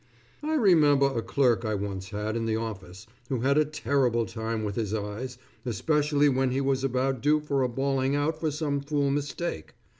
I remember a clerk I once had in the office, who had a terrible time with his eyes, especially, when he was about due for a bawling out for some fool mistake.